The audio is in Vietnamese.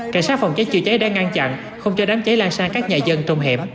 cảnh sát phòng cháy chữa cháy đã ngăn chặn không cho đám cháy lan sang các nhà dân trong hẻm